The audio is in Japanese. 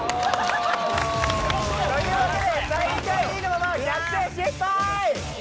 というわけで最下位ビリのまま逆転失敗！